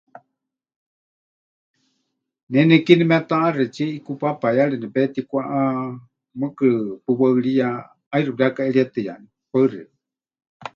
Ne nekie nemetaʼaxetsie ʼikú paapayari nepetikwáʼa, mɨɨkɨ pɨwaɨriya, ʼaixɨ pɨrekaʼerietɨyaní. Paɨ xeikɨ́a.